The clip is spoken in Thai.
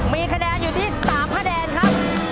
มีคะแนนอยู่ที่๓คะแนนครับ